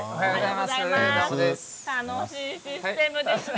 楽しいシステムですね。